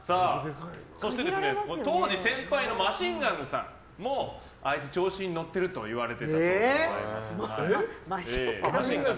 そして、当時先輩のマシンガンズさんもあいつ調子に乗ってると言われてたそうです。